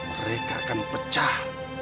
mereka akan pecah